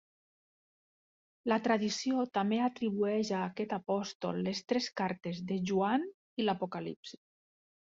La tradició també atribueix a aquest apòstol les tres Cartes de Joan i l'Apocalipsi.